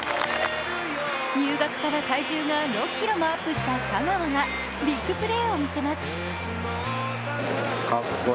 入学から体重が６ｋｇもアップした賀川がビッグプレーを見せます。